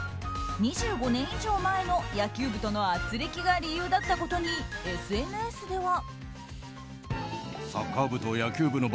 ２５年以上前の野球部との軋轢が理由だったことに、ＳＮＳでは。